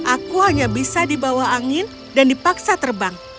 aku hanya bisa di bawah angin dan dipaksa terbang